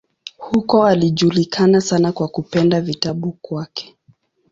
Huko alijulikana sana kwa kupenda vitabu kwake.